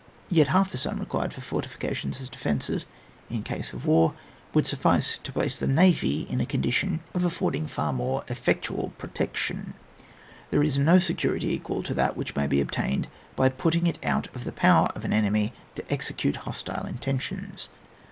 Yet half the sum required for fortifications as defences m case of war, would suffice to place the navy in a condition THE XAVY THE ONLY RELIANCE. 24.5 of affording far more effectual protection. There is no security ecjual to that which may be obtamed by putting it out of the power of an enemy to execute hostile intentions.